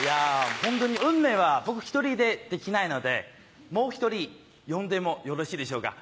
ホントに運命は僕１人でできないのでもう１人呼んでもよろしいでしょうか？